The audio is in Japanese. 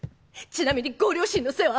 ちなみにご両親の背は？